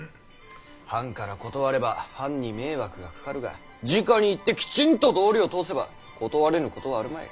藩から断れば藩に迷惑がかかるがじかに行ってきちんと道理を通せば断れぬことはあるまい。